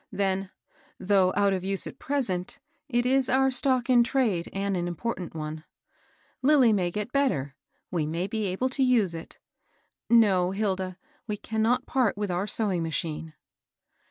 Then^^ though out of use at present, it is our * stock in trade,' and an important one. Lilly may get bet<* ter, —■ we may be able to use it, — no, Hilda I we cannot part vnth our sewing machine."